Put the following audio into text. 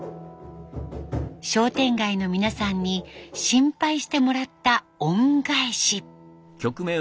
商店街の皆さんに心配してもらった恩返し。